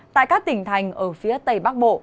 tại các tỉnh thành ở phía tây bắc bộ